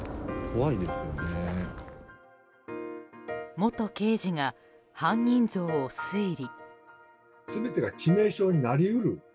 元刑事が犯人像を推理。